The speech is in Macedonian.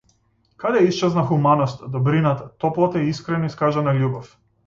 Каде исчезна хуманоста, добрината, топлата и искрено искажана љубов?